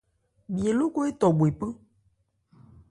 Bhye lókɔn étɔ bhwe pán.